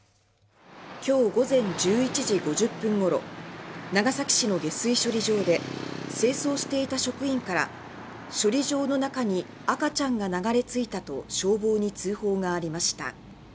今日午前１１時５０分ごろ長崎市の下水処理場で清掃していた職員から処理場の中に赤ちゃんが流れ着いたと消防に通報がありました。